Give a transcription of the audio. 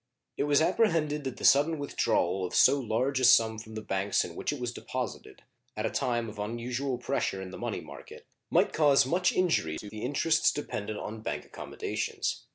It was apprehended that the sudden withdrawal of so large a sum from the banks in which it was deposited, at a time of unusual pressure in the money market, might cause much injury to the interests dependent on bank accommodations.